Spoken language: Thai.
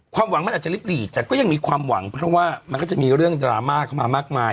หวังมันอาจจะลิบหลีดแต่ก็ยังมีความหวังเพราะว่ามันก็จะมีเรื่องดราม่าเข้ามามากมาย